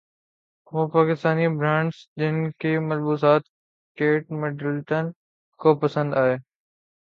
وہ پاکستانی برانڈز جن کے ملبوسات کیٹ مڈلٹن کو پسند ائے